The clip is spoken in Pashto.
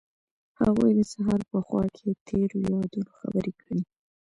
هغوی د سهار په خوا کې تیرو یادونو خبرې کړې.